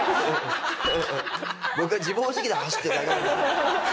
「僕は自暴自棄で走ってるだけなので」。